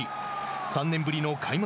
３年ぶりの開幕